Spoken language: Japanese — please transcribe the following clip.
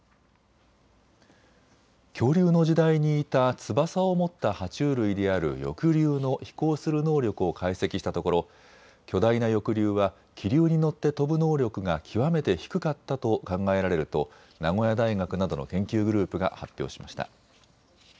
恐竜の時代にいた翼を持ったは虫類である翼竜の飛行する能力を解析したところ巨大な翼竜は気流に乗って飛ぶ能力が極めて低かったと考えられると名古屋大学などの研究グループが発表しました。